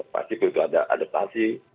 pasti perlu ada adaptasi